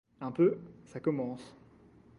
Un peu, ça commence...